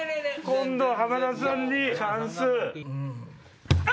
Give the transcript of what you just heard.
今度浜田さんにチャンス。